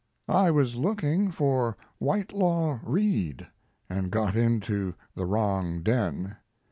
I was looking for Whitelaw Reid, and got into the wrong den.